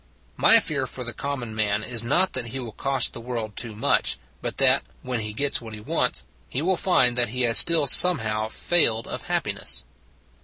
My fear for the common man is not that he will cost the world too much, but that, when he gets what he wants, he will find that he has still somehow failed of happi ness.